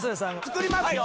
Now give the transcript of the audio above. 作りますよ。